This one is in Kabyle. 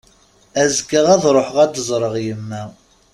Azekka ad ruḥeɣ ad d-ẓreɣ yemma.